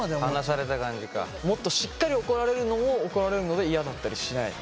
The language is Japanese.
もっとしっかり怒られるのも怒られるので嫌だったりしないの？